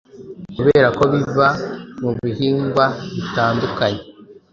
kubera ko biva mubihingwabitandukanye